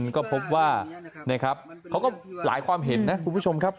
ก็พบว่านะครับเขาก็หลายความเห็นนะคุณผู้ชมครับ